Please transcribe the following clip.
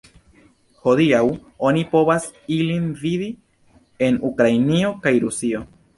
Hodiaŭ oni povas ilin vidi en Ukrainio kaj Rusio.